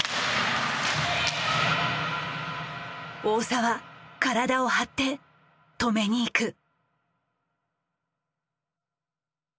大澤体を張って止めに行く。